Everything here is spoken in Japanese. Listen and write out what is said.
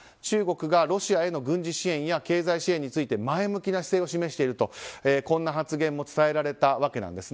中国がロシアへの軍事支援や経済支援について前向きな姿勢を示しているという発言も伝えられました。